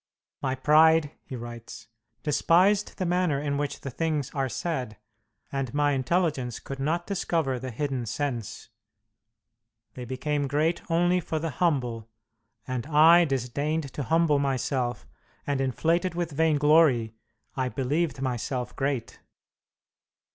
"My pride," he writes, "despised the manner in which the things are said, and my intelligence could not discover the hidden sense. They become great only for the humble, and I disdained to humble myself, and, inflated with vainglory, I believed myself great."